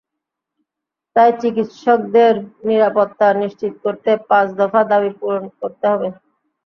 তাই চিকিৎসকদের নিরাপত্তা নিশ্চিত করতে পাঁচ দফা দাবি পূরণ করতে হবে।